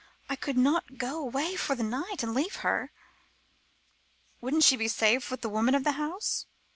I could not go away for the night, and leave her." "Wouldn't she be safe with the woman of the house?"